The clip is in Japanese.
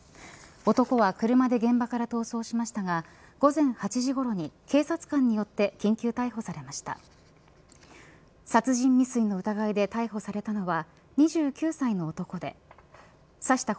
男は車で現場から逃走しましたが午前８時ごろに警察官によって緊急逮捕されました。